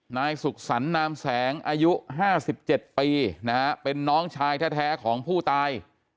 นายสุขสรรนามแสงอายุ๕๗ปีนะฮะเป็นน้องชายแท้ของผู้ตาย